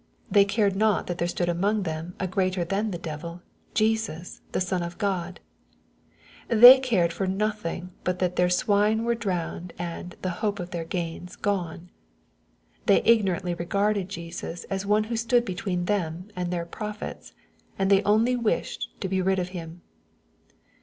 They cared not that there stood among them a greater than the devil, Jesus the Son of Q od, They cared for nothing but that their swine were drowned, and " the hope of their gains gone." They ignorantly regarded Jesus as one who stood between them and their profits, and they only wished to be rid of Him.